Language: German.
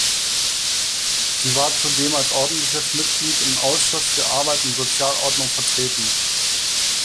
Sie war zudem als ordentliches Mitglied im Ausschuss für Arbeit und Sozialordnung vertreten.